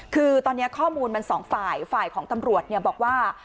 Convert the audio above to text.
คือตอนนี้ข้อมูลมันสองฝ่ายฝ่ายของตำรวจบอกว่า